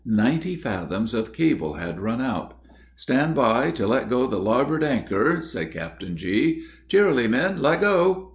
Ninety fathoms of cable had run out. "Stand by, to let go the larboard anchor," said Captain G.; "Cheerily, men let go!"